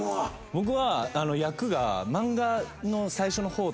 僕は役が。